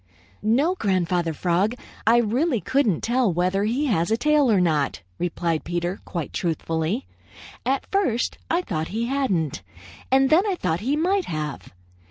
"No, Grandfather Frog. I really couldn't tell whether he has a tail or not," replied Peter quite truthfully. "At first I thought he hadn't, and then I thought he might have.